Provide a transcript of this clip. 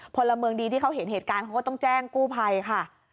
พลเมืองดีที่เขาเห็นเหตุการณ์เขาก็ต้องแจ้งกู้ภัยค่ะ